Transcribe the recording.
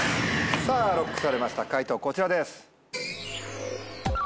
さぁＬＯＣＫされました解答こちらです。